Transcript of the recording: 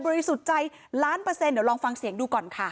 เบรยบริสุทธิ์ใจล้านเปอร์เซ็นต์เดี๋ยวลองฟังเสียงดูก่อนค่ะ